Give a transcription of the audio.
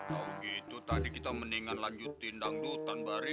kalau gitu tadi kita mendingan lanjutin dangdutan bari